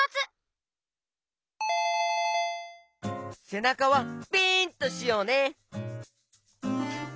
せなかはピンとしようね！